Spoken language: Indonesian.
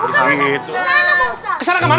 kenapa kamu terserah yuri